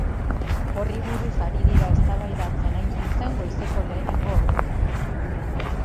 Horri buruz ari dira eztabaidatzen, hain zuzen, goizeko lehenengo ordutik.